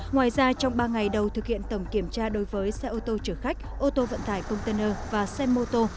ngoài ra trong ba ngày đầu thực hiện tổng kiểm tra đối với xe ô tô chở khách ô tô vận tải container và xe mô tô